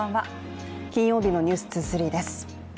金曜日の「ｎｅｗｓ２３」です。